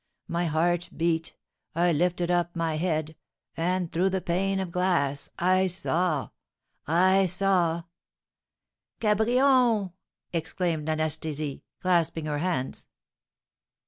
My heart beat, I lifted up my head, and, through the pane of glass, I saw I saw " "Cabrion!" exclaimed Anastasie, clasping her hands.